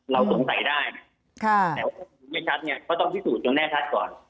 เราสงสัยได้ถ้าไม่ชัดก็ต้องทิสูจน์แน่ชัดก่อน